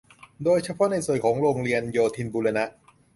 โดยเฉพาะในส่วนของโรงเรียนโยธินบูรณะ